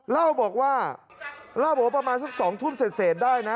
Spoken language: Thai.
เล่าบอกว่าเล่าบอกว่าประมาณสัก๒ทุ่มเสร็จได้นะ